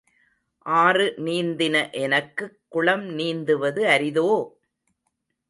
ஆறு நீந்தின எனக்குக் குளம் நீந்துவது அரிதோ?